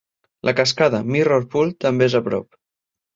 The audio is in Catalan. La cascada Mirror Pool també és a prop.